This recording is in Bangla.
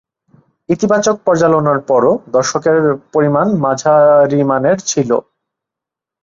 ইতিবাচক পর্যালোচনার পরও দর্শকের পরিমাণ মাঝারিমানের ছিল।